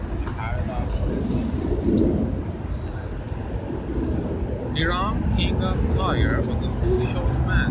] The Paradise in the Sea Hiram, king of Tyre, was a foolish old man.